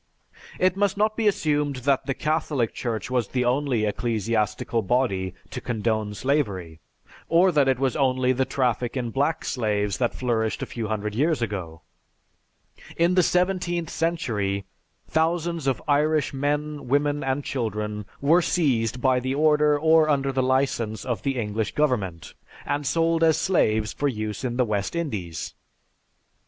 It must not be assumed that the Catholic Church was the only ecclesiastical body to condone slavery, or that it was only the traffic in black slaves that flourished a few hundred years ago. "In the seventeenth century, thousands of Irish men, women and children, were seized by the order or under the license of the English government, and sold as slaves for use in the West Indies.